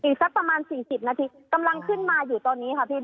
สักประมาณ๔๐นาทีกำลังขึ้นมาอยู่ตอนนี้ค่ะพี่